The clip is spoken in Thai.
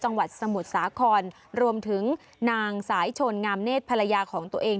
จังหวัดสมุทรสาครรวมถึงนางสายชนงามเนธภรรยาของตัวเอง